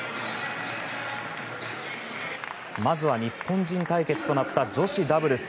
まずは日本人対決となった女子ダブルス。